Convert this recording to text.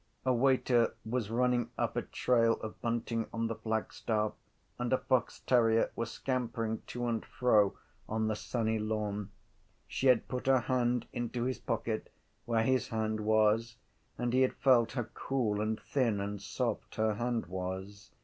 A waiter was running up a trail of bunting on the flagstaff and a fox terrier was scampering to and fro on the sunny lawn. She had put her hand into his pocket where his hand was and he had felt how cool and thin and soft her hand was.